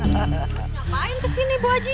terus ngapain kesini bu haji